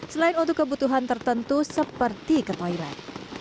selain untuk kebutuhan tertentu seperti ke toilet